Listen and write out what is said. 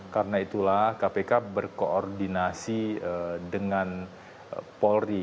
karena itulah kpk berkoordinasi dengan polri